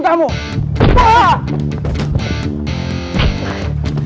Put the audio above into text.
kapan kau mau membuat sim